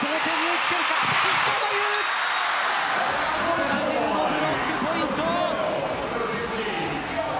ブラジルのブロックポイント。